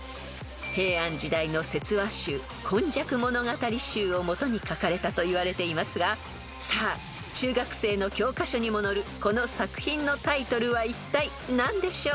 ［平安時代の説話集『今昔物語集』をもとに書かれたといわれていますがさあ中学生の教科書にも載るこの作品のタイトルはいったい何でしょう？］